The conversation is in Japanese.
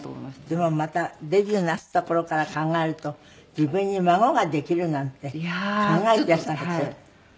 でもまたデビューなすった頃から考えると自分に孫ができるなんて考えていらっしゃらなかったでしょ。